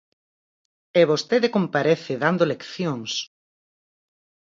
¡E vostede comparece dando leccións!